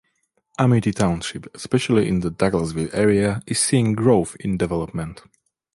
Amity Township, especially in the Douglassville area, is seeing growth in development.